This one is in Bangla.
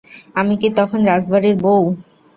আমি কি তখন রাজবাড়ির বউ?